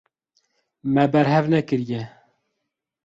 Me berhev nekiriye.